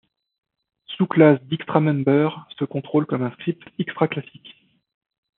Sous-classe d'xtra member, se contrôle comme un script xtra classique.